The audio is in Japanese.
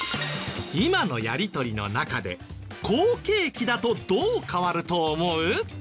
今のやりとりの中で好景気だとどう変わると思う？